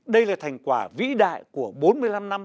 đây là thành quả vĩ đại của bốn mươi năm năm